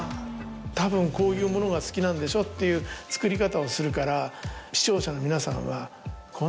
「たぶんこういうものが好きなんでしょ」っていう作り方をするから視聴者の皆さんは。